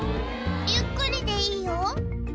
ゆっくりでいいよ。